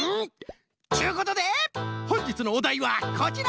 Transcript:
っちゅうことでほんじつのおだいはこちら！